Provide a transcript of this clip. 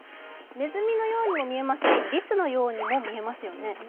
ねずみのようにも見えますしりすのようにも見えますよね。